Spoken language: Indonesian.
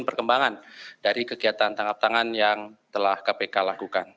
perkembangan dari kegiatan tangkap tangan yang telah kpk lakukan